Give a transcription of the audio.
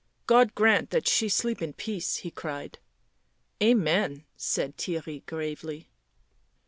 " God grant that she sleep in peace," he cried. " Amen," said Theirry gravely.